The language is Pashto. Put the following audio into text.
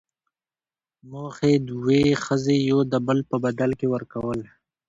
موخۍ، دوې ښځي يو دبل په بدل کي ورکول.